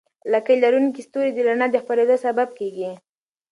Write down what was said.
لکۍ لرونکي ستوري د رڼا د خپرېدو سبب کېږي.